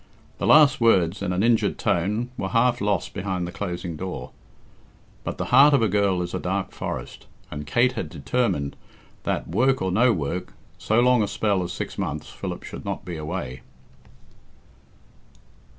The last words, in an injured tone, were half lost behind the closing door. But the heart of a girl is a dark forest, and Kate had determined that, work or no work, so long a spell as six months Philip should not be away.